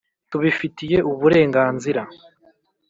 tubifitiye uburenganzira